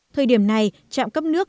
thời điểm này trạm cấp nước